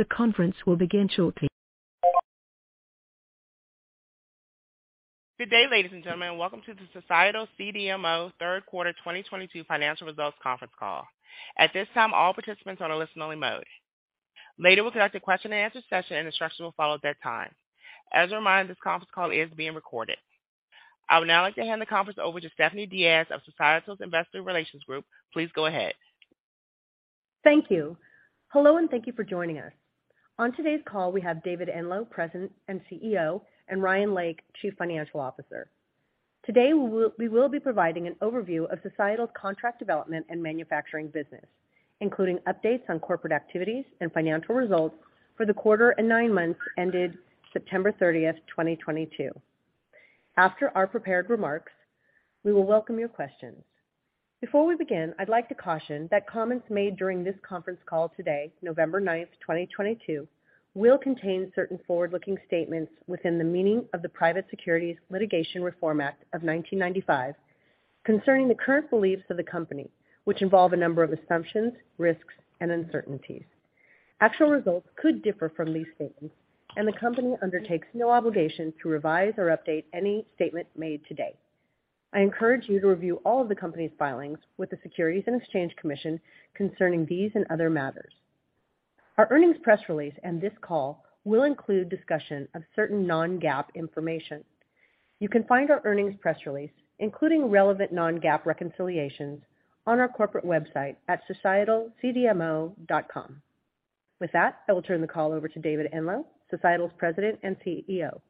The conference will begin shortly. Good day, ladies and gentlemen, and welcome to the Societal CDMO Q3 2022 financial results conference call. At this time, all participants are in listen-only mode. Later, we'll conduct a question-and-answer session, and instructions will follow at that time. As a reminder, this conference call is being recorded. I would now like to hand the conference over to Stephanie Diaz of Societal's Investor Relations Group. Please go ahead. Thank you. Hello, and thank you for joining us. On today's call, we have David Enloe, President and CEO, and Ryan Lake, Chief Financial Officer. Today, we will be providing an overview of Societal's contract development and manufacturing business, including updates on corporate activities and financial results for the quarter and nine months ended September 30, 2022. After our prepared remarks, we will welcome your questions. Before we begin, I'd like to caution that comments made during this conference call today, November 9, 2022, will contain certain forward-looking statements within the meaning of the Private Securities Litigation Reform Act of 1995 concerning the current beliefs of the company, which involve a number of assumptions, risks, and uncertainties. Actual results could differ from these statements, and the company undertakes no obligation to revise or update any statement made today. I encourage you to review all of the company's filings with the Securities and Exchange Commission concerning these and other matters. Our earnings press release and this call will include discussion of certain non-GAAP information. You can find our earnings press release, including relevant non-GAAP reconciliations, on our corporate website at societalcdmo.com. With that, I will turn the call over to David Enloe, Societal's President and CEO.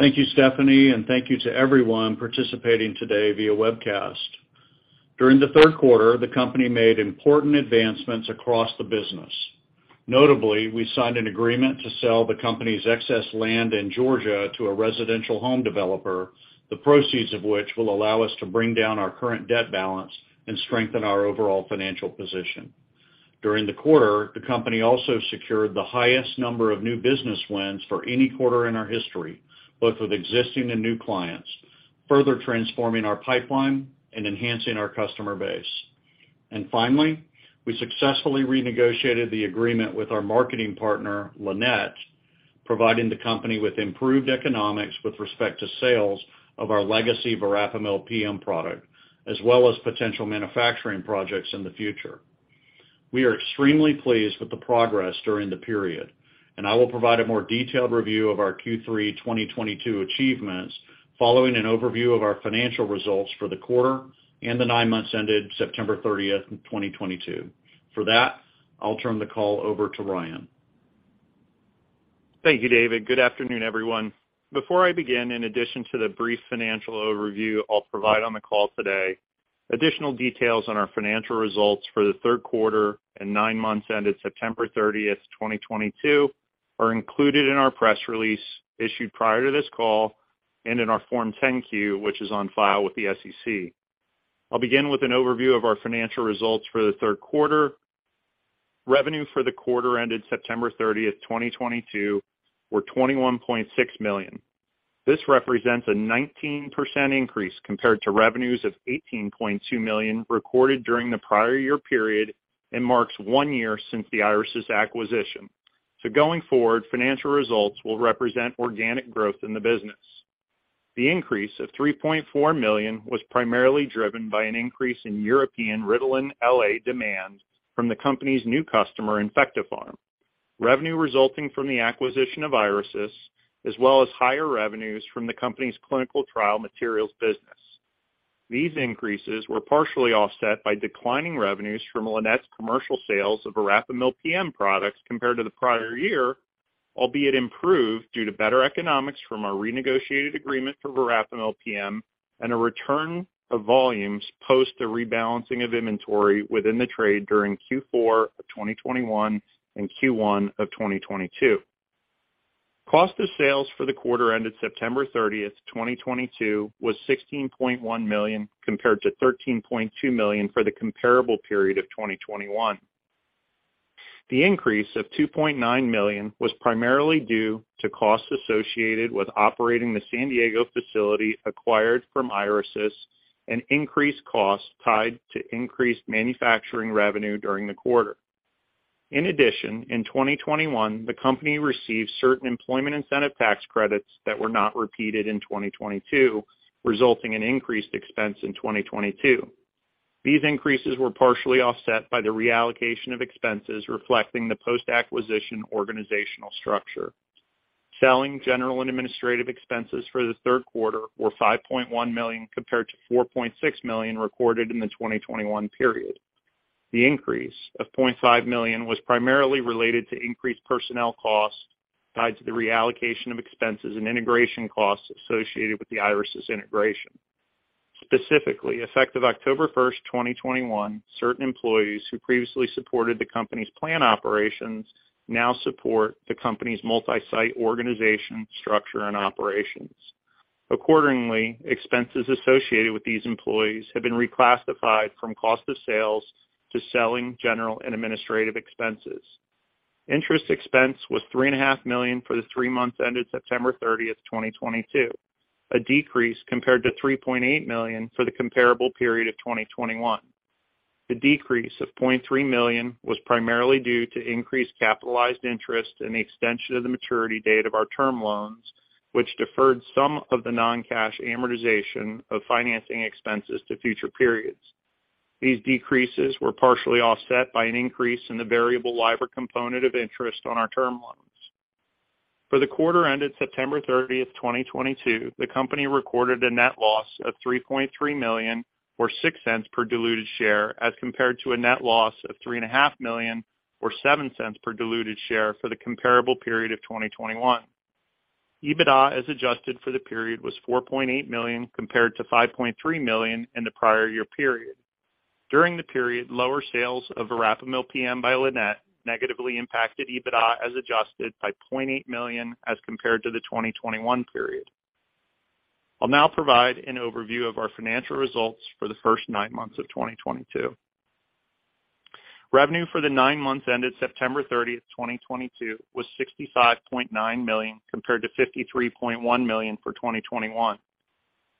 Thank you, Stephanie, and thank you to everyone participating today via webcast. During the Q3, the company made important advancements across the business. Notably, we signed an agreement to sell the company's excess land in Georgia to a residential home developer, the proceeds of which will allow us to bring down our current debt balance and strengthen our overall financial position. During the quarter, the company also secured the highest number of new business wins for any quarter in our history, both with existing and new clients, further transforming our pipeline and enhancing our customer base. Finally, we successfully renegotiated the agreement with our marketing partner, Lannett, providing the company with improved economics with respect to sales of our legacy Verapamil PM product, as well as potential manufacturing projects in the future. We are extremely pleased with the progress during the period, and I will provide a more detailed review of our Q3 2022 achievements following an overview of our financial results for the quarter and the nine months ended September 30, 2022. For that, I'll turn the call over to Ryan. Thank you, David. Good afternoon, everyone. Before I begin, in addition to the brief financial overview I'll provide on the call today, additional details on our financial results for the Q3 and nine months ended September 30, 2022, are included in our press release issued prior to this call and in our Form 10-Q, which is on file with the SEC. I'll begin with an overview of our financial results for the Q3. Revenue for the quarter ended September 30, 2022, were $21.6 million. This represents a 19% increase compared to revenues of $18.2 million recorded during the prior year period and marks one year since the Irisys acquisition. Going forward, financial results will represent organic growth in the business. The increase of $3.4 million was primarily driven by an increase in European Ritalin LA demand from the company's new customer, InfectoPharm, revenue resulting from the acquisition of Irisys, as well as higher revenues from the company's clinical trial materials business. These increases were partially offset by declining revenues from Lannett's commercial sales of Verapamil PM products compared to the prior year, albeit improved due to better economics from our renegotiated agreement for Verapamil PM and a return of volumes post the rebalancing of inventory within the trade during Q4 of 2021 and Q1 of 2022. Cost of sales for the quarter ended September 30, 2022, was $16.1 million, compared to $13.2 million for the comparable period of 2021. The increase of $2.9 million was primarily due to costs associated with operating the San Diego facility acquired from Irisys and increased costs tied to increased manufacturing revenue during the quarter. In addition, in 2021, the company received certain employment incentive tax credits that were not repeated in 2022, resulting in increased expense in 2022. These increases were partially offset by the reallocation of expenses reflecting the post-acquisition organizational structure. Selling, general and administrative expenses for the Q3 were $5.1 million, compared to $4.6 million recorded in the 2021 period. The increase of $0.5 million was primarily related to increased personnel costs tied to the reallocation of expenses and integration costs associated with the Irisys integration. Specifically, effective October 1, 2021, certain employees who previously supported the company's plant operations now support the company's multi-site organization structure and operations. Accordingly, expenses associated with these employees have been reclassified from cost of sales to selling, general, and administrative expenses. Interest expense was $3.5 million for the three months ended September 30, 2022, a decrease compared to $3.8 million for the comparable period of 2021. The decrease of $0.3 million was primarily due to increased capitalized interest and the extension of the maturity date of our term loans, which deferred some of the non-cash amortization of financing expenses to future periods. These decreases were partially offset by an increase in the variable LIBOR component of interest on our term loans. For the quarter ended September 30, 2022, the company recorded a net loss of $3.3 million or $0.06 per diluted share, as compared to a net loss of $3.5 million or $0.07 per diluted share for the comparable period of 2021. EBITDA as adjusted for the period was $4.8 million compared to $5.3 million in the prior year period. During the period, lower sales of Verapamil PM by Lannett negatively impacted EBITDA as adjusted by $0.8 million as compared to the 2021 period. I'll now provide an overview of our financial results for the first nine months of 2022. Revenue for the nine months ended September 30, 2022 was $65.9 million compared to $53.1 million for 2021.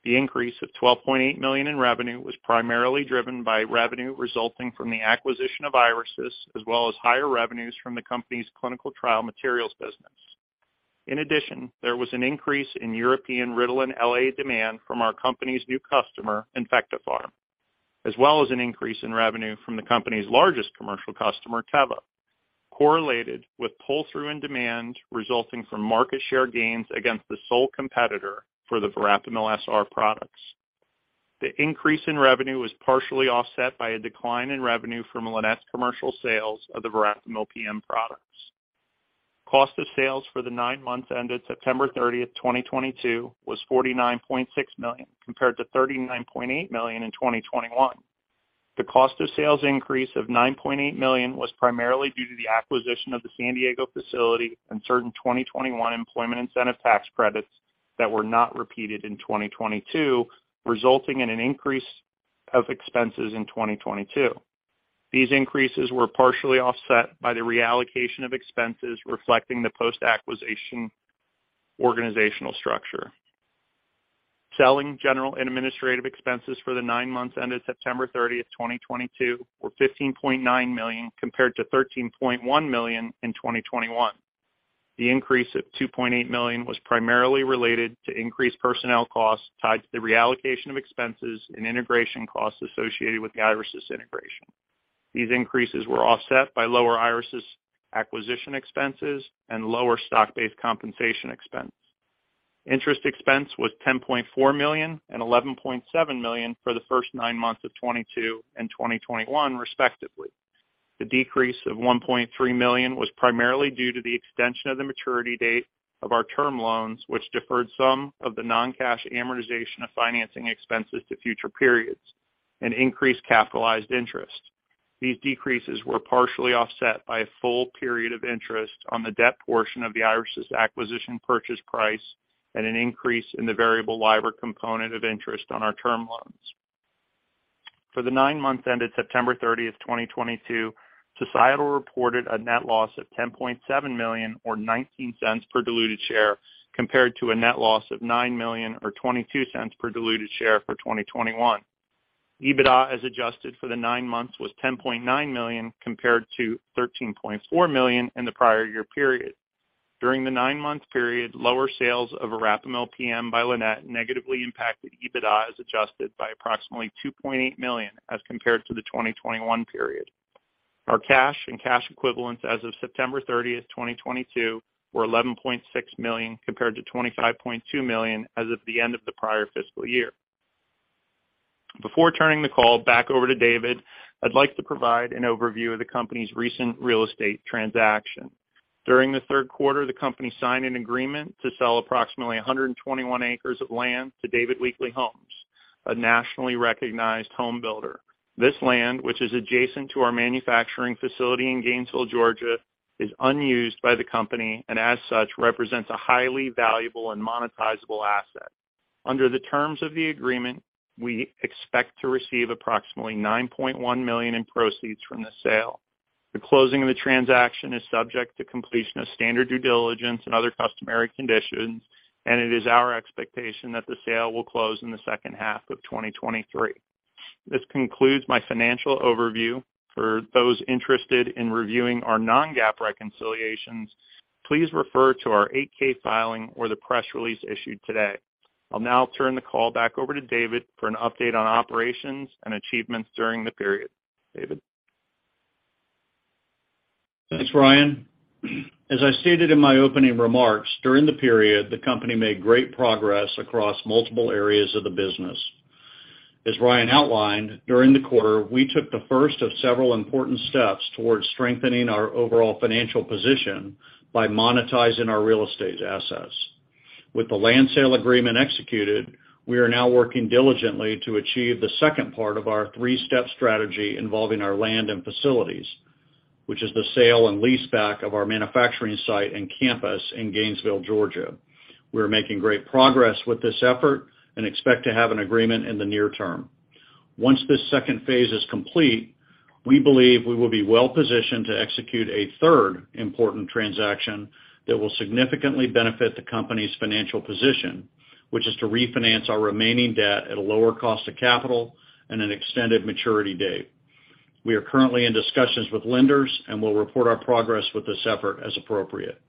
The increase of $12.8 million in revenue was primarily driven by revenue resulting from the acquisition of Irisys, as well as higher revenues from the company's clinical trial materials business. In addition, there was an increase in European Ritalin LA demand from our company's new customer, InfectoPharm, as well as an increase in revenue from the company's largest commercial customer, Teva, correlated with pull-through in demand resulting from market share gains against the sole competitor for the Verapamil SR products. The increase in revenue was partially offset by a decline in revenue from Lannett's commercial sales of the Verapamil PM products. Cost of sales for the nine months ended September 30, 2022 was $49.6 million, compared to $39.8 million in 2021. The cost of sales increase of $9.8 million was primarily due to the acquisition of the San Diego facility and certain 2021 employment incentive tax credits that were not repeated in 2022, resulting in an increase of expenses in 2022. These increases were partially offset by the reallocation of expenses reflecting the post-acquisition organizational structure. Selling, general, and administrative expenses for the nine months ended September 30, 2022 were $15.9 million compared to $13.1 million in 2021. The increase of $2.8 million was primarily related to increased personnel costs tied to the reallocation of expenses and integration costs associated with the Irisys integration. These increases were offset by lower Irisys acquisition expenses and lower stock-based compensation expense. Interest expense was $10.4 million and $11.7 million for the first nine months of 2022 and 2021, respectively. The decrease of $1.3 million was primarily due to the extension of the maturity date of our term loans, which deferred some of the non-cash amortization of financing expenses to future periods and increased capitalized interest. These decreases were partially offset by a full period of interest on the debt portion of the Irisys acquisition purchase price and an increase in the variable LIBOR component of interest on our term loans. For the nine months ended September 30, 2022, Societal reported a net loss of $10.7 million or $0.19 per diluted share, compared to a net loss of $9 million or $0.22 per diluted share for 2021. EBITDA as adjusted for the nine months was $10.9 million compared to $13.4 million in the prior year period. During the nine-month period, lower sales of Verapamil PM by Lannett negatively impacted EBITDA as adjusted by approximately $2.8 million as compared to the 2021 period. Our cash and cash equivalents as of September 30, 2022 were $11.6 million compared to $25.2 million as of the end of the prior fiscal year. Before turning the call back over to David, I'd like to provide an overview of the company's recent real estate transaction. During the Q3, the company signed an agreement to sell approximately 121 acres of land to David Weekley Homes, a nationally recognized home builder. This land, which is adjacent to our manufacturing facility in Gainesville, Georgia, is unused by the company and as such, represents a highly valuable and monetizable asset. Under the terms of the agreement, we expect to receive approximately $9.1 million in proceeds from the sale. The closing of the transaction is subject to completion of standard due diligence and other customary conditions, and it is our expectation that the sale will close in the second half of 2023. This concludes my financial overview. For those interested in reviewing our non-GAAP reconciliations, please refer to our 8-K filing or the press release issued today. I'll now turn the call back over to David for an update on operations and achievements during the period. David? Thanks, Ryan. As I stated in my opening remarks, during the period, the company made great progress across multiple areas of the business. As Ryan outlined, during the quarter, we took the first of several important steps towards strengthening our overall financial position by monetizing our real estate assets. With the land sale agreement executed, we are now working diligently to achieve the second part of our three-step strategy involving our land and facilities, which is the sale and leaseback of our manufacturing site and campus in Gainesville, Georgia. We're making great progress with this effort and expect to have an agreement in the near term. Once this second phase is complete, we believe we will be well-positioned to execute a third important transaction that will significantly benefit the company's financial position, which is to refinance our remaining debt at a lower cost of capital and an extended maturity date. We are currently in discussions with lenders, and we'll report our progress with this effort as appropriate.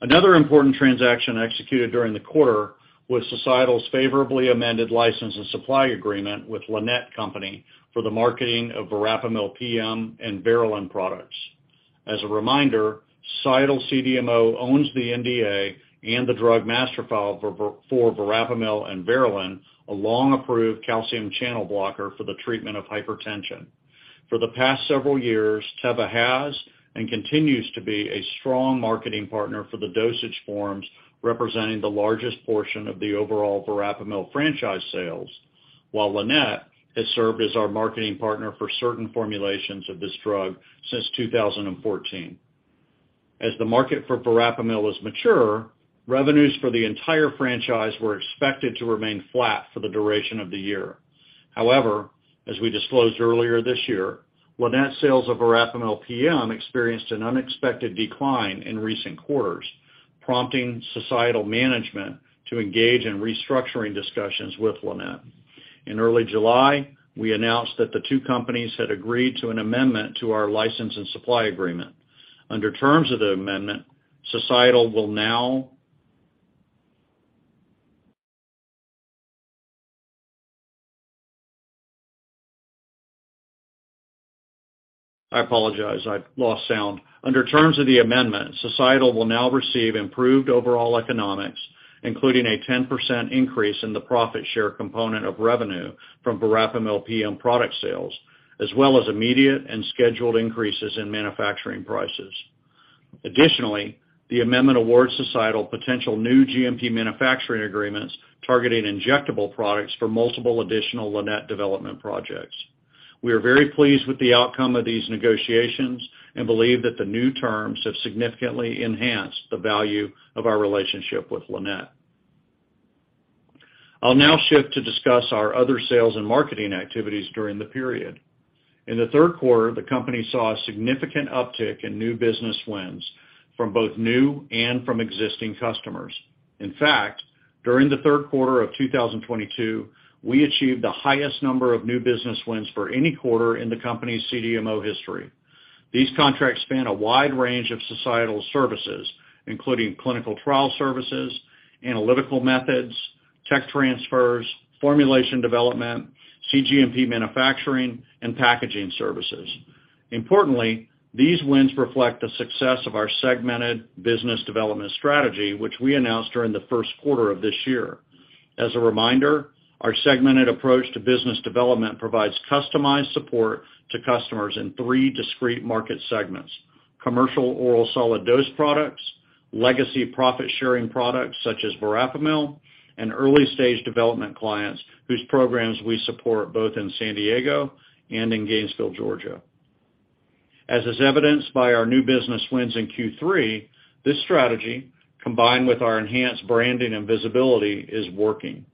Another important transaction executed during the quarter was Societal's favorably amended license and supply agreement with Lannett Company for the marketing of Verapamil PM and Verelan products. As a reminder, Societal CDMO owns the NDA and the Drug Master File for verapamil and Verelan, a long-approved calcium channel blocker for the treatment of hypertension. For the past several years, Teva has and continues to be a strong marketing partner for the dosage forms, representing the largest portion of the overall Verapamil franchise sales, while Lannett has served as our marketing partner for certain formulations of this drug since 2014. As the market for Verapamil is mature, revenues for the entire franchise were expected to remain flat for the duration of the year. However, as we disclosed earlier this year, Lannett sales of Verapamil PM experienced an unexpected decline in recent quarters, prompting Societal management to engage in restructuring discussions with Lannett. In early July, we announced that the two companies had agreed to an amendment to our license and supply agreement. Under terms of the amendment, Societal will now receive improved overall economics, including a 10% increase in the profit share component of revenue from Verapamil PM product sales, as well as immediate and scheduled increases in manufacturing prices. Additionally, the amendment awards Societal potential new GMP manufacturing agreements targeting injectable products for multiple additional Lannett development projects. We are very pleased with the outcome of these negotiations and believe that the new terms have significantly enhanced the value of our relationship with Lannett. I'll now shift to discuss our other sales and marketing activities during the period. In the Q3, the company saw a significant uptick in new business wins from both new and from existing customers. In fact, during the Q3 of 2022, we achieved the highest number of new business wins for any quarter in the company's CDMO history. These contracts span a wide range of Societal services, including clinical trial services, analytical methods, tech transfers, formulation development, cGMP manufacturing, and packaging services. Importantly, these wins reflect the success of our segmented business development strategy, which we announced during the Q1 of this year. As a reminder, our segmented approach to business development provides customized support to customers in three discrete market segments: commercial oral solid dose products, legacy profit-sharing products such as Verapamil, and early-stage development clients whose programs we support both in San Diego and in Gainesville, Georgia. As is evidenced by our new business wins in Q3, this strategy, combined with our enhanced branding and visibility, is working.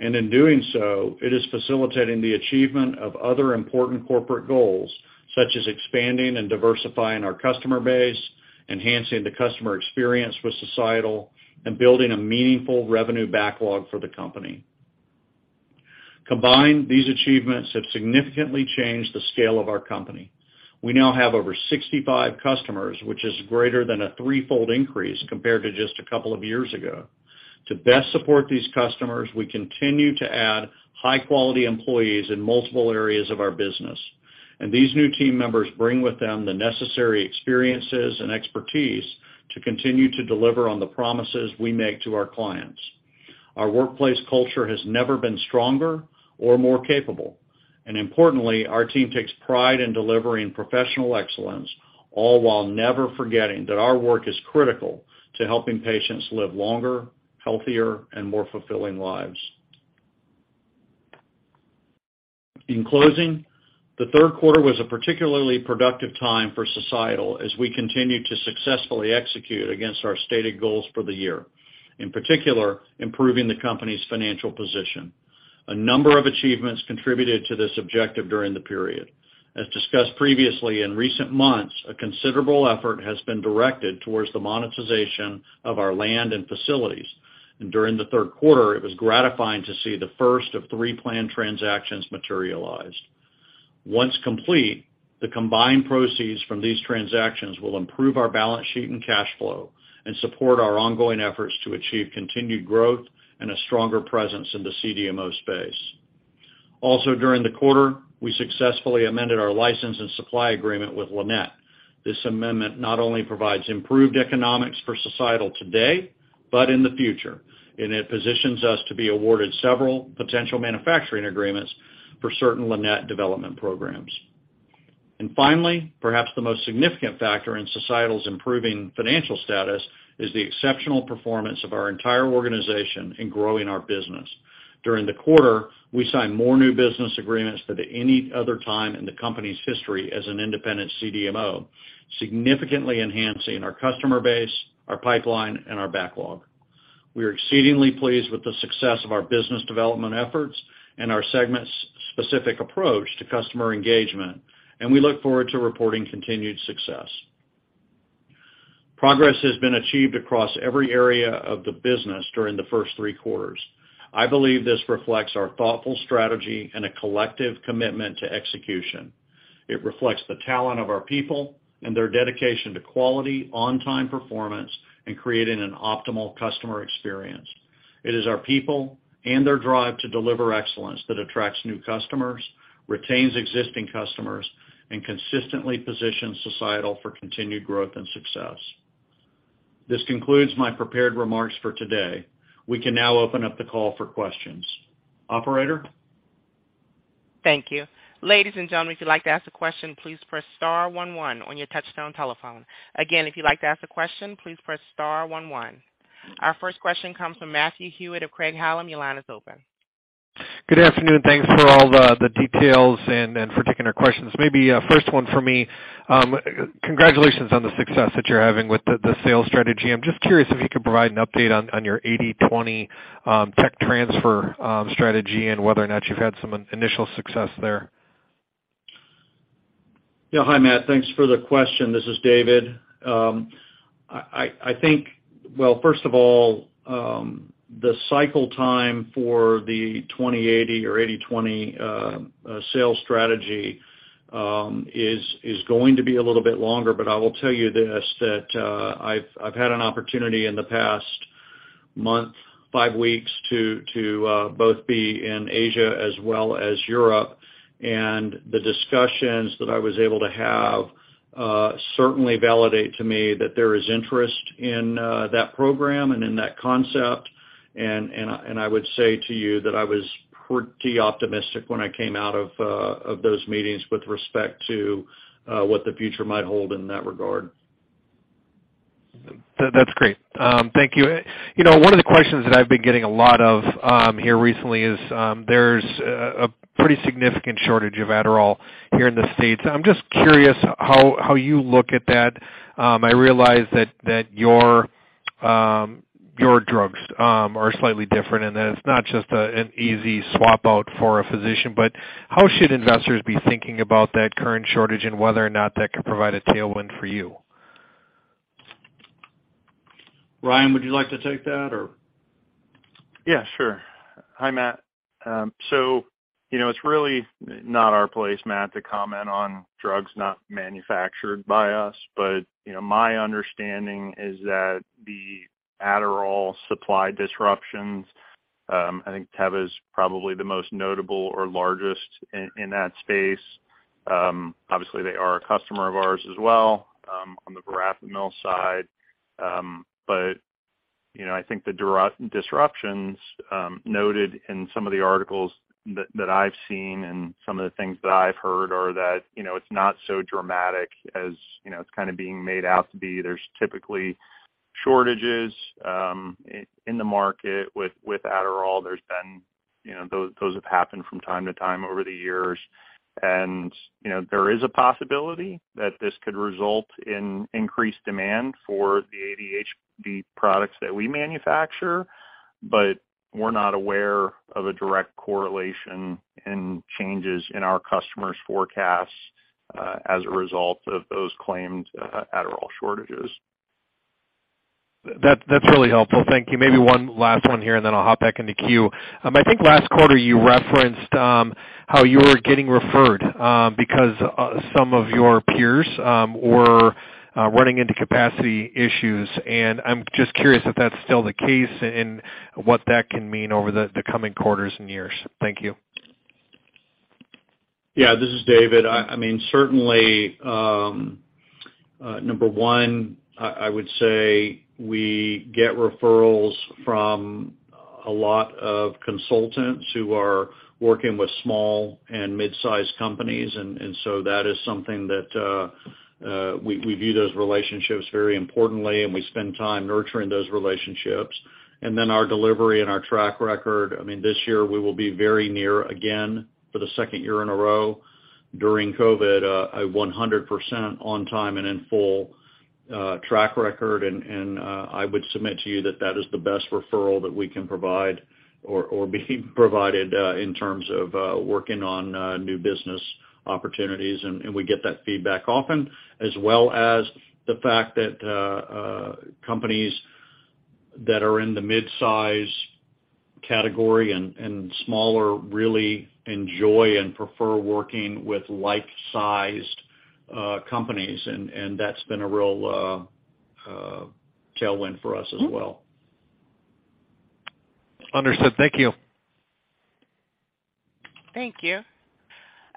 In doing so, it is facilitating the achievement of other important corporate goals, such as expanding and diversifying our customer base, enhancing the customer experience with Societal, and building a meaningful revenue backlog for the company. Combined, these achievements have significantly changed the scale of our company. We now have over 65 customers, which is greater than a threefold increase compared to just a couple of years ago. To best support these customers, we continue to add high-quality employees in multiple areas of our business, and these new team members bring with them the necessary experiences and expertise to continue to deliver on the promises we make to our clients. Our workplace culture has never been stronger or more capable, and importantly, our team takes pride in delivering professional excellence, all while never forgetting that our work is critical to helping patients live longer, healthier, and more fulfilling lives. In closing, the Q3 was a particularly productive time for Societal as we continued to successfully execute against our stated goals for the year, in particular, improving the company's financial position. A number of achievements contributed to this objective during the period. As discussed previously, in recent months, a considerable effort has been directed towards the monetization of our land and facilities, and during the Q3, it was gratifying to see the first of three planned transactions materialized. Once complete, the combined proceeds from these transactions will improve our balance sheet and cash flow and support our ongoing efforts to achieve continued growth and a stronger presence in the CDMO space. Also during the quarter, we successfully amended our license and supply agreement with Lannett. This amendment not only provides improved economics for Societal today, but in the future, and it positions us to be awarded several potential manufacturing agreements for certain Lannett development programs. Finally, perhaps the most significant factor in Societal's improving financial status is the exceptional performance of our entire organization in growing our business. During the quarter, we signed more new business agreements than at any other time in the company's history as an independent CDMO, significantly enhancing our customer base, our pipeline, and our backlog. We are exceedingly pleased with the success of our business development efforts and our segment-specific approach to customer engagement, and we look forward to reporting continued success. Progress has been achieved across every area of the business during the first three quarters. I believe this reflects our thoughtful strategy and a collective commitment to execution. It reflects the talent of our people and their dedication to quality, on-time performance, and creating an optimal customer experience. It is our people and their drive to deliver excellence that attracts new customers, retains existing customers, and consistently positions Societal for continued growth and success. This concludes my prepared remarks for today. We can now open up the call for questions. Operator? Thank you. Ladies and gentlemen, if you'd like to ask a question, please press star one one on your touchtone telephone. Again, if you'd like to ask a question, please press star one one. Our first question comes from Matthew Hewitt of Craig-Hallum. Your line is open. Good afternoon. Thanks for all the details and for taking our questions. Maybe first one for me. Congratulations on the success that you're having with the sales strategy. I'm just curious if you could provide an update on your 80/20 tech transfer strategy and whether or not you've had some initial success there. Yeah. Hi, Matt. Thanks for the question. This is David. I think, well, first of all, the cycle time for the 20/80 or 80/20 sales strategy is going to be a little bit longer, but I will tell you this, that I've had an opportunity in the past month, five weeks to both be in Asia as well as Europe. The discussions that I was able to have certainly validate to me that there is interest in that program and in that concept. I would say to you that I was pretty optimistic when I came out of those meetings with respect to what the future might hold in that regard. That's great. Thank you. You know, one of the questions that I've been getting a lot of, here recently is, there's a pretty significant shortage of Adderall here in the States. I'm just curious how you look at that. I realize that your drugs are slightly different, and it's not just an easy swap out for a physician. How should investors be thinking about that current shortage and whether or not that could provide a tailwind for you? Ryan, would you like to take that or? Yeah, sure. Hi, Matt. So, you know, it's really not our place, Matt, to comment on drugs not manufactured by us. You know, my understanding is that the Adderall supply disruptions, I think Teva is probably the most notable or largest in that space. Obviously, they are a customer of ours as well, on the Verapamil side. You know, I think the disruptions noted in some of the articles that I've seen and some of the things that I've heard are that, you know, it's not so dramatic as, you know, it's kind of being made out to be. There's typically shortages in the market with Adderall. There's been, you know, those have happened from time to time over the years. You know, there is a possibility that this could result in increased demand for the ADHD products that we manufacture, but we're not aware of a direct correlation in changes in our customers' forecasts, as a result of those claimed Adderall shortages. That's really helpful. Thank you. Maybe one last one here, and then I'll hop back in the queue. I think last quarter you referenced how you were getting referrals because some of your peers were running into capacity issues, and I'm just curious if that's still the case and what that can mean over the coming quarters and years. Thank you. Yeah. This is David. I mean, certainly, number one, I would say we get referrals from a lot of consultants who are working with small and mid-sized companies, and so that is something that we view those relationships very importantly, and we spend time nurturing those relationships. Our delivery and our track record, I mean, this year, we will be very near, again, for the second year in a row during COVID, a 100% on time and in full track record. I would submit to you that that is the best referral that we can provide or be provided in terms of working on new business opportunities. We get that feedback often, as well as the fact that companies that are in the midsize category and smaller really enjoy and prefer working with like-sized companies. That's been a real tailwind for us as well. Understood. Thank you. Thank you.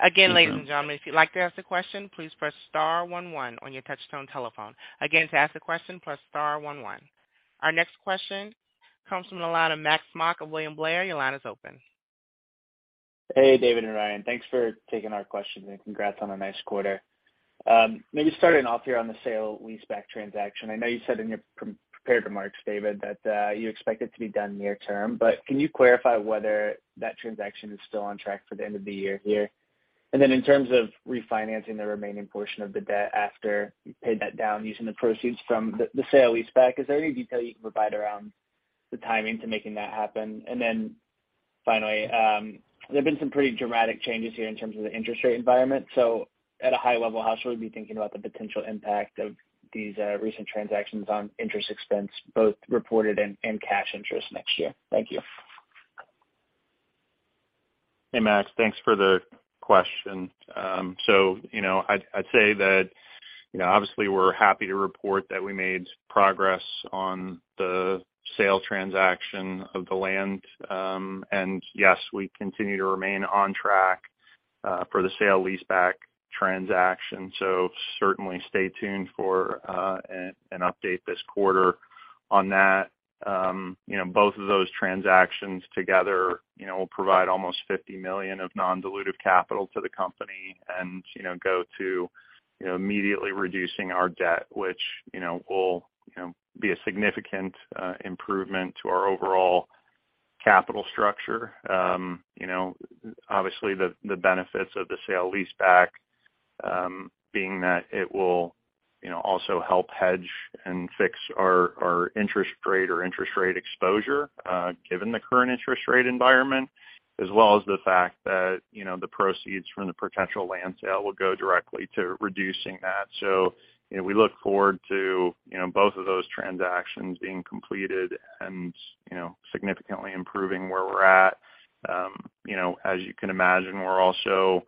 Again, ladies and gentlemen, if you'd like to ask a question, please press star one one on your touchtone telephone. Again, to ask a question, press star one one. Our next question comes from the line of Max Smock of William Blair. Your line is open. Hey, David and Ryan. Thanks for taking our questions, and congrats on a nice quarter. Maybe starting off here on the sale-leaseback transaction. I know you said in your pre-prepared remarks, David, that you expect it to be done near term, but can you clarify whether that transaction is still on track for the end of the year here? In terms of refinancing the remaining portion of the debt after you pay that down using the proceeds from the sale-leaseback, is there any detail you can provide around the timing to making that happen? Finally, there have been some pretty dramatic changes here in terms of the interest rate environment. At a high level, how should we be thinking about the potential impact of these recent transactions on interest expense, both reported and cash interest next year? Thank you. Hey, Max. Thanks for the question. You know, I'd say that, you know, obviously we're happy to report that we made progress on the sale transaction of the land. Yes, we continue to remain on track for the sale leaseback transaction. Certainly stay tuned for an update this quarter on that. You know, both of those transactions together, you know, will provide almost $50 million of non-dilutive capital to the company and, you know, go to, you know, immediately reducing our debt, which, you know, will, you know, be a significant improvement to our overall capital structure. You know, obviously the benefits of the sale leaseback being that it will also help hedge and fix our interest rate exposure given the current interest rate environment, as well as the fact that the proceeds from the potential land sale will go directly to reducing that. You know, we look forward to both of those transactions being completed and significantly improving where we're at. You know, as you can imagine, we're also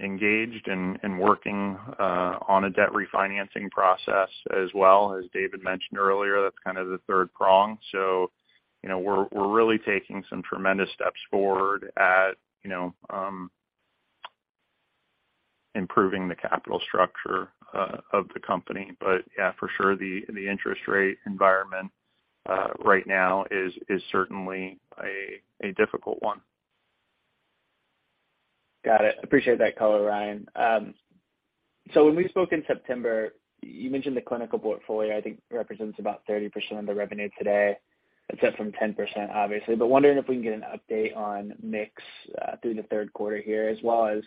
engaged in working on a debt refinancing process as well. As David mentioned earlier, that's kind of the third prong. You know, we're really taking some tremendous steps forward at improving the capital structure of the company. Yeah, for sure the interest rate environment right now is certainly a difficult one. Got it. Appreciate that color, Ryan. So when we spoke in September, you mentioned the clinical portfolio, I think represents about 30% of the revenue today. That's up from 10% obviously, but wondering if we can get an update on mix through the Q3 here, as well as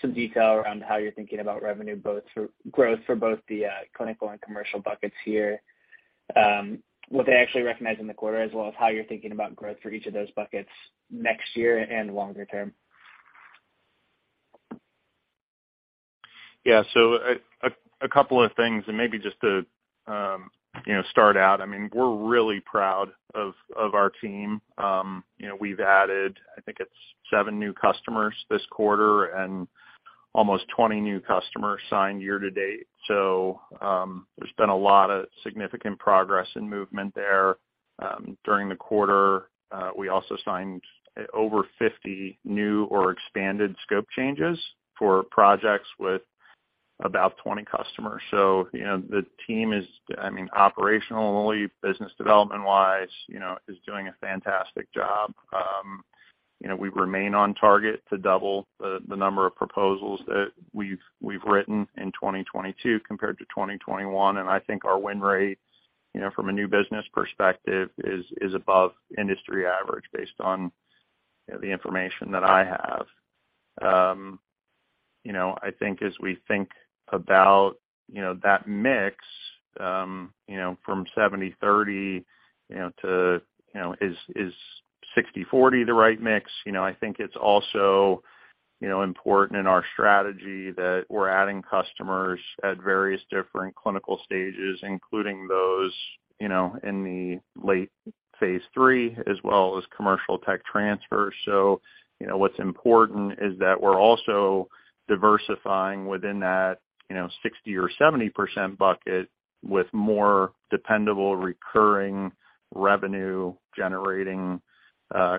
some detail around how you're thinking about revenue growth for both the clinical and commercial buckets here, what they actually recognize in the quarter as well as how you're thinking about growth for each of those buckets next year and longer term. A couple of things, and maybe just to, you know, start out, I mean, we're really proud of our team. You know, we've added, I think it's 7 new customers this quarter and almost 20 new customers signed year to date. There's been a lot of significant progress and movement there. During the quarter, we also signed over 50 new or expanded scope changes for projects with about 20 customers. You know, the team is, I mean, operationally business development-wise, you know, is doing a fantastic job. You know, we remain on target to double the number of proposals that we've written in 2022 compared to 2021. I think our win rate, you know, from a new business perspective is above industry average based on, you know, the information that I have. You know, I think as we think about, you know, that mix, you know, from 70/30, you know, to, you know, is 60/40 the right mix? You know, I think it's also, you know, important in our strategy that we're adding customers at various different clinical stages, including those, you know, in the late phase three as well as commercial tech transfer. You know, what's important is that we're also diversifying within that, you know, 60% or 70% bucket with more dependable recurring revenue generating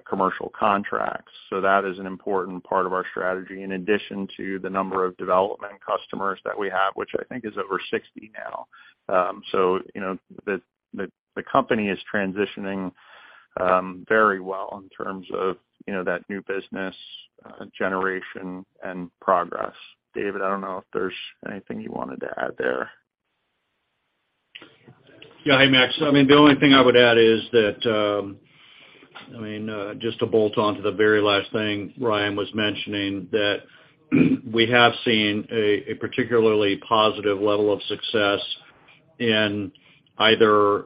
commercial contracts. That is an important part of our strategy in addition to the number of development customers that we have, which I think is over 60 now. You know, the company is transitioning very well in terms of, you know, that new business generation and progress. David, I don't know if there's anything you wanted to add there. Yeah. Hey, Max. I mean, the only thing I would add is that, I mean, just to bolt onto the very last thing Ryan was mentioning, that we have seen a particularly positive level of success in either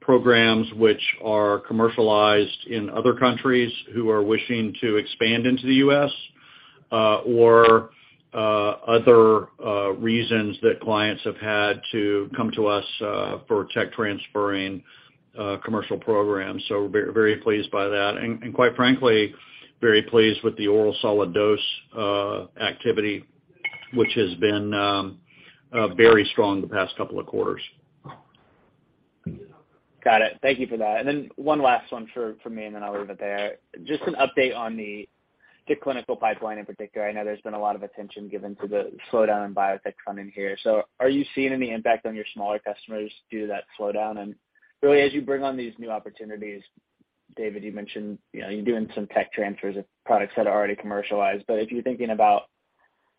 programs which are commercialized in other countries who are wishing to expand into the U.S., or other reasons that clients have had to come to us for tech transferring commercial programs. So very pleased by that and quite frankly, very pleased with the oral solid dose activity which has been very strong the past couple of quarters. Got it. Thank you for that. Then one last one from me and then I'll leave it there. Just an update on the clinical pipeline in particular. I know there's been a lot of attention given to the slowdown in biotech funding here. Are you seeing any impact on your smaller customers due to that slowdown? Really as you bring on these new opportunities, David, you mentioned, you know, you're doing some tech transfers of products that are already commercialized. If you're thinking about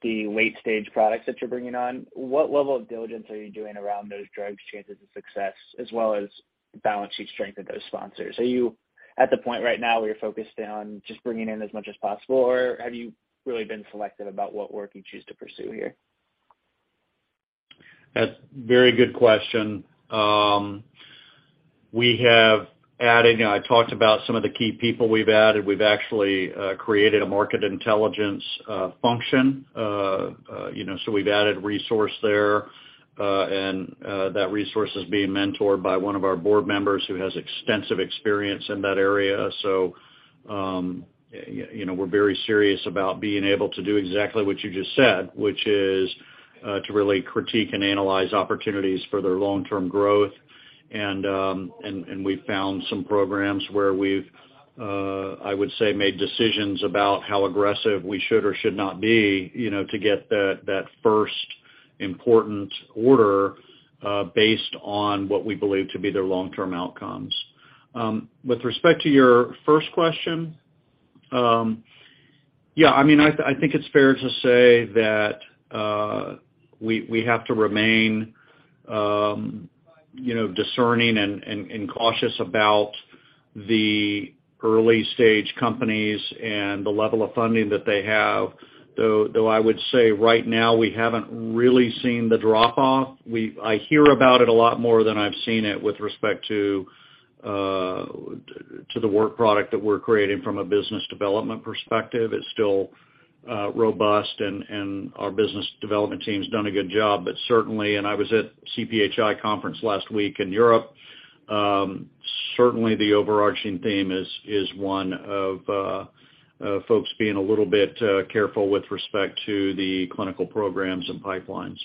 the late-stage products that you're bringing on, what level of diligence are you doing around those drugs' chances of success as well as the balance sheet strength of those sponsors? Are you at the point right now where you're focused on just bringing in as much as possible, or have you really been selective about what work you choose to pursue here? That's very good question. We have added. I talked about some of the key people we've added. We've actually created a market intelligence function, you know, so we've added resource there, and that resource is being mentored by one of our board members who has extensive experience in that area. You know, we're very serious about being able to do exactly what you just said, which is to really critique and analyze opportunities for their long-term growth. We found some programs where we've, I would say, made decisions about how aggressive we should or should not be, you know, to get that first important order based on what we believe to be their long-term outcomes. With respect to your first question, yeah, I mean, I think it's fair to say that we have to remain, you know, discerning and cautious about the early-stage companies and the level of funding that they have, though I would say right now, we haven't really seen the drop-off. I hear about it a lot more than I've seen it with respect to the work product that we're creating from a business development perspective. It's still robust and our business development team has done a good job. Certainly, I was at CPHI conference last week in Europe. Certainly the overarching theme is one of folks being a little bit careful with respect to the clinical programs and pipelines.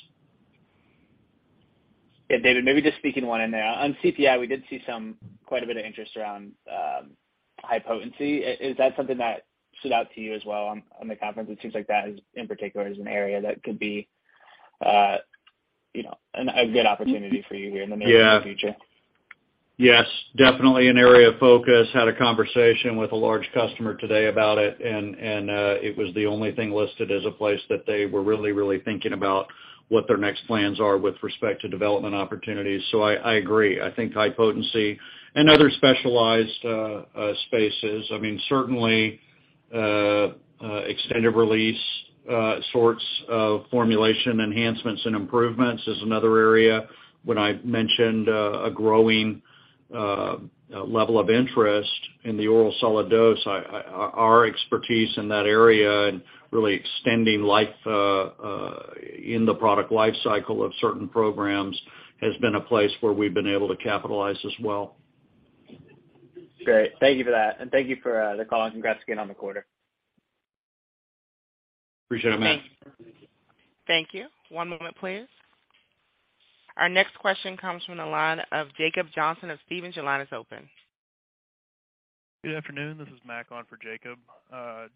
Yeah. David, maybe just speaking one in there. On CPHI, we did see some quite a bit of interest around high potency. Is that something that stood out to you as well on the conference? It seems like that, in particular, is an area that could be you know a good opportunity for you here in the near future. Yes, definitely an area of focus. Had a conversation with a large customer today about it, and it was the only thing listed as a place that they were really thinking about what their next plans are with respect to development opportunities. I agree. I think high potency and other specialized spaces. I mean, certainly extended release sorts of formulation enhancements and improvements is another area. When I mentioned a growing level of interest in the oral solid dose, our expertise in that area and really extending life in the product life cycle of certain programs has been a place where we've been able to capitalize as well. Great. Thank you for that. Thank you for the call, and congrats again on the quarter. Appreciate it, Max. Thank you. One moment, please. Our next question comes from the line of Jacob Johnson of Stephens. Your line is open. Good afternoon. This is Mac on for Jacob.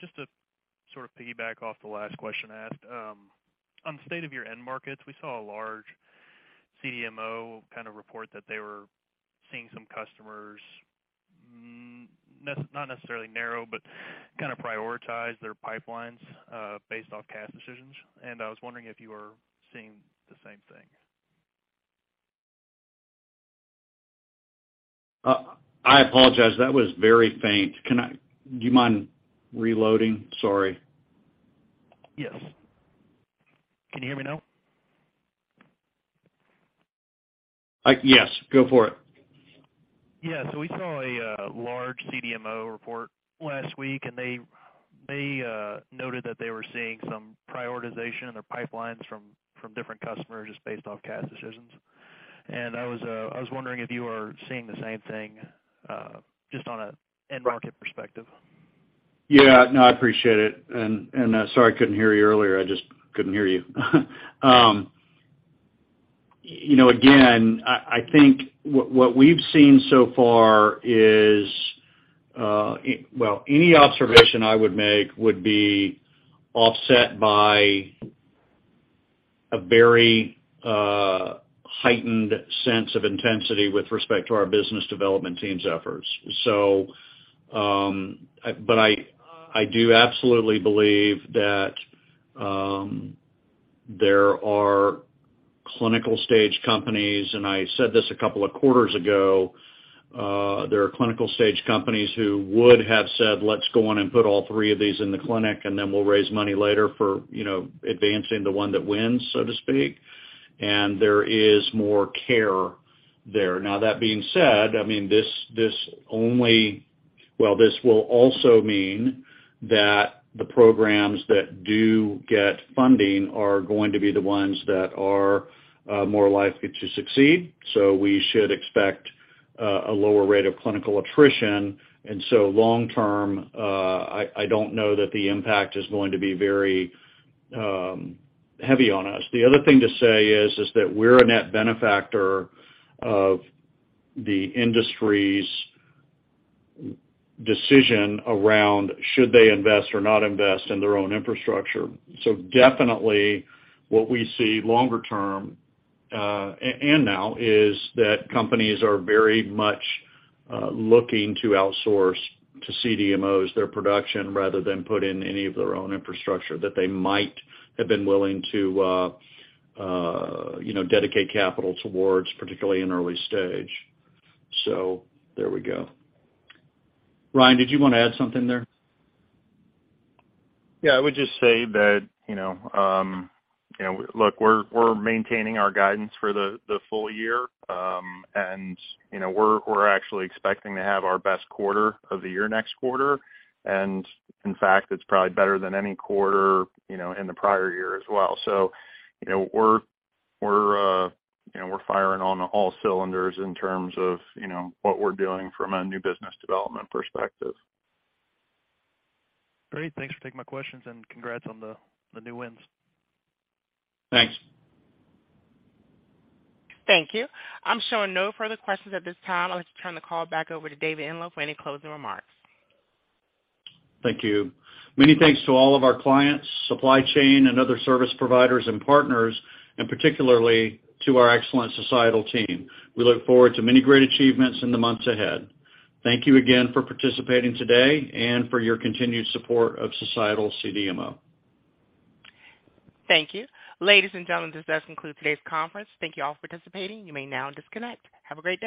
Just to sort of piggyback off the last question asked, on the state of your end markets, we saw a large CDMO kind of report that they were seeing some customers not necessarily narrow, but kinda prioritize their pipelines, based off CAS decisions. I was wondering if you were seeing the same thing. I apologize. That was very faint. Do you mind reloading? Sorry. Yes. Can you hear me now? Yes, go for it. Yeah, we saw a large CDMO report last week, and they noted that they were seeing some prioritization in their pipelines from different customers just based off cash decisions. I was wondering if you are seeing the same thing just on an end market perspective. Yeah. No, I appreciate it. Sorry, I couldn't hear you earlier. I just couldn't hear you. You know, again, I think what we've seen so far is, well, any observation I would make would be offset by a very heightened sense of intensity with respect to our business development team's efforts. I do absolutely believe that there are clinical stage companies, and I said this a couple of quarters ago, there are clinical stage companies who would have said, "Let's go in and put all three of these in the clinic, and then we'll raise money later for, you know, advancing the one that wins," so to speak. There is more care there. Now, that being said, I mean, this only. Well, this will also mean that the programs that do get funding are going to be the ones that are more likely to succeed. We should expect a lower rate of clinical attrition. Long term, I don't know that the impact is going to be very heavy on us. The other thing to say is that we're a net benefactor of the industry's decision around should they invest or not invest in their own infrastructure. Definitely what we see longer term and now is that companies are very much looking to outsource to CDMOs their production rather than put in any of their own infrastructure that they might have been willing to you know dedicate capital towards, particularly in early stage. There we go. Ryan, did you want to add something there? Yeah, I would just say that, you know, look, we're maintaining our guidance for the full year. You know, we're actually expecting to have our best quarter of the year next quarter. In fact, it's probably better than any quarter, you know, in the prior year as well. You know, we're firing on all cylinders in terms of what we're doing from a new business development perspective. Great. Thanks for taking my questions, and congrats on the new wins. Thanks. Thank you. I'm showing no further questions at this time. I'll just turn the call back over to David Enloe for any closing remarks. Thank you. Many thanks to all of our clients, supply chain, and other service providers and partners, and particularly to our excellent Societal team. We look forward to many great achievements in the months ahead. Thank you again for participating today and for your continued support of Societal CDMO. Thank you. Ladies and gentlemen, this does conclude today's conference. Thank you all for participating. You may now disconnect. Have a great day.